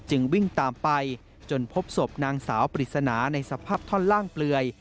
วิ่งตามไปจนพบศพนางสาวปริศนาในสภาพท่อนล่างเปลือย